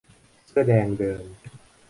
เสื้อแดงเดิน